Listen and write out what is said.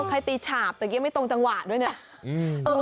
ใครตีฉาบแต่ก็ไม่ตรงจังหวะด้วยนะ